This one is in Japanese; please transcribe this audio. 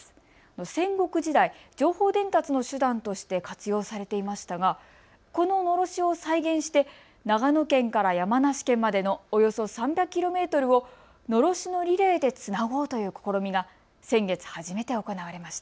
戦国時代、情報伝達の手段として活用されていましたがこののろしを再現して長野県から山梨県までのおよそ３００ｋｍをのろしのリレーでつなごうという試みが先月、初めて行われました。